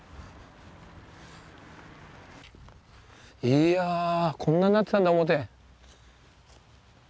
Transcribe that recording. いやこんなになってたんだ表。